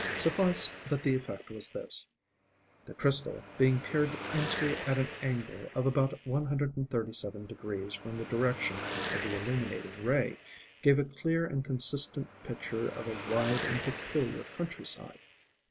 Suffice that the effect was this: the crystal, being peered into at an angle of about 137 degrees from the direction of the illuminating ray, gave a clear and consistent picture of a wide and peculiar countryside.